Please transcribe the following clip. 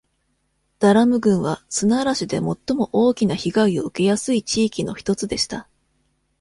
ダラム郡は、砂嵐で最も大きな被害を受けやすい地域の一つでした。